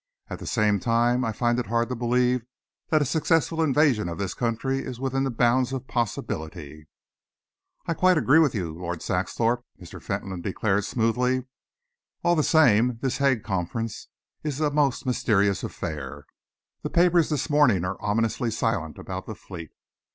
At the same time, I find it hard to believe that a successful invasion of this country is within the bounds of possibility." "I quite agree with you, Lord Saxthorpe," Mr. Fentolin declared smoothly. "All the same, this Hague Conference is a most mysterious affair. The papers this morning are ominously silent about the fleet.